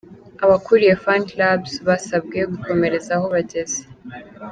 Abakuriye "Fan Clubs" basabwe gukomereza aho bageze.